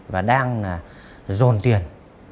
và đang dồn tiền